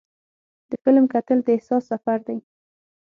د فلم کتل د احساس سفر دی.